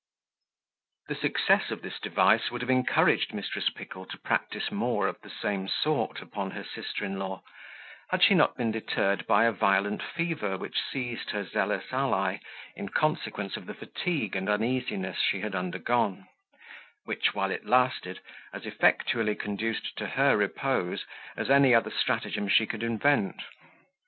The success of this device would have encouraged Mrs. Pickle to practise more of the same sort upon her sister in law, had she not been deterred by a violent fever which seized her zealous ally, in consequence of the fatigue and uneasiness she had undergone; which, while it lasted, as effectually conduced to her repose, as any other stratagem she could invent.